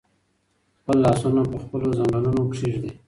خپل لاسونه په خپلو زنګونونو کېږدئ.